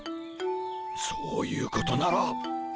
そういうことなら。